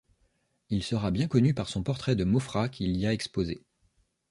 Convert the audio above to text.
Il sera bien connu par son portrait de Maufra qu'il y a exposé.